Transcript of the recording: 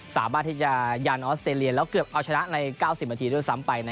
สามารถที่จะยันออสเตรเลียแล้วเกือบเอาชนะใน๙๐นาทีด้วยซ้ำไป